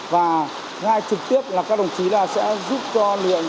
và ngay trực tiếp các đồng chí sẽ giúp cho lượng